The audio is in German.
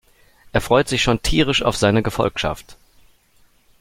Er freut sich schon tierisch auf seine Gefolgschaft.